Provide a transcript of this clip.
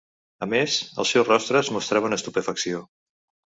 A més, els seus rostres mostraven estupefacció.